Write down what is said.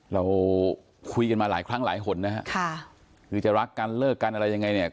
เราคุยกันมาหลายครั้งหลายหนนะฮะค่ะคือจะรักกันเลิกกันอะไรยังไงเนี่ย